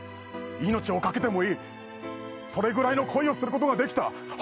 命をかけてもいいそれぐらいの恋をすることができた本望じゃねえか。